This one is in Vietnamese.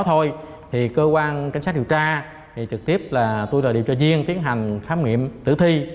thì cơ quan cảnh sát điều tra thì trực tiếp là tôi là điều tra viên tiến hành khám nghiệm tử thi